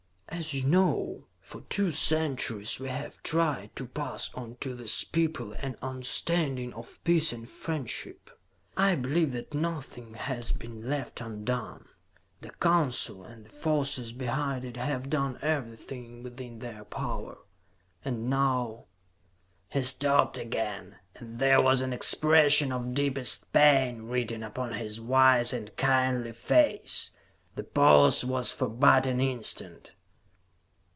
As you know, for two centuries we have tried to pass on to these people an understanding of peace and friendship. I believe that nothing has been left undone. The Council and the forces behind it have done everything within their power. And now " He stopped again, and there was an expression of deepest pain written upon his wise and kindly face. The pause was for but an instant.